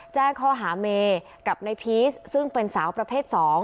แจ้งข้อหาเมย์กับนายพีชซึ่งเป็นสาวประเภท๒